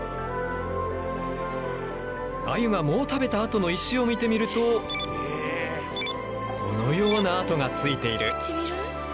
アユが藻を食べたあとの石を見てみるとこのような跡がついている。